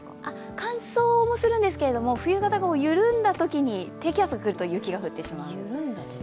乾燥もするんですけど、冬型が緩んだときに低気圧が来ると雪が降ってしまう。